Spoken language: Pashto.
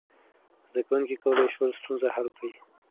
زده کوونکي کولی شول ستونزه حل کړي.